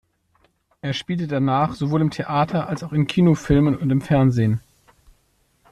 Er spielte danach sowohl im Theater als auch in Kinofilmen und im Fernsehen.